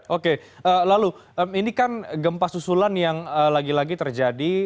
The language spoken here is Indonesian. oke lalu ini kan gempa susulan yang lagi lagi terjadi